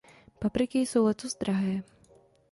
Papriky jsou letos drahé.